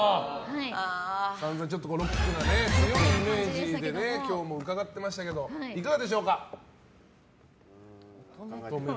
さんざんロックな強いイメージを今日も伺ってましたけどいかがでしょうか。